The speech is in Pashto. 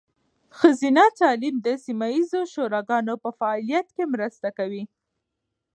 ښځینه تعلیم د سیمه ایزې شوراګانو په فعالتیا کې مرسته کوي.